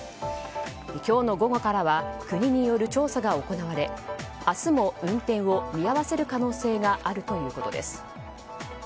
今日の午後からは国による調査が行われ明日も運転を見合わせる可能性があるということです。